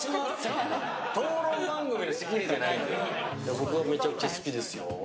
僕はめちゃくちゃ好きですよ。